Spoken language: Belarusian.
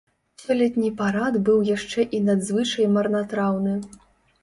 Сёлетні парад быў яшчэ і надзвычай марнатраўны.